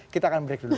kita akan break dulu